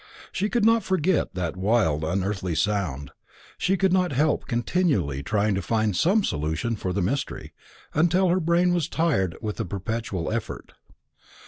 She could not forget that wild unearthly sound; she could not help continually trying to find some solution for the mystery, until her brain was tired with the perpetual effort.